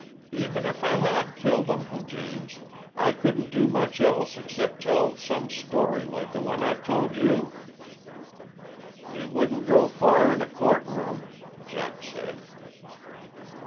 Even if I had killed Uncle James, I couldn't do much else except tell some story like the one I've told you." "It wouldn't go far in a court room," Jack said.